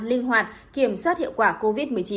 linh hoạt kiểm soát hiệu quả covid một mươi chín